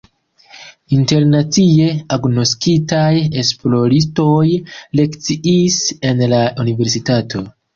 Internacie agnoskitaj esploristoj lekciis en la universitato.